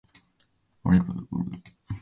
便于阅读